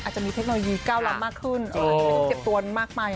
อาจจะมีเทคโนโลยีเก้าเรามากขึ้นไม่ต้องเก็บตัวนมากมาย